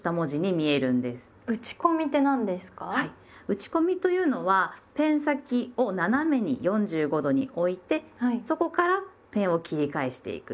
打ち込みというのはペン先を斜めに４５度に置いてそこからペンを切り返していく。